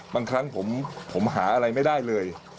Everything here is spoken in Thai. บางครั้งผมหาอะไรไม่ได้เลย